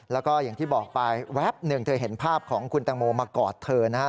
แล้วก็อย่างที่บอกไปแวบหนึ่งเธอเห็นภาพของคุณตังโมมากอดเธอนะครับ